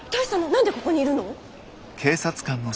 何でここにいるの？